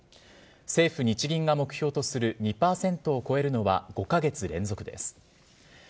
政府・日銀が目標とする２％を超えるのは、５か月連続です。